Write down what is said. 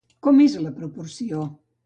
Com és la proporció?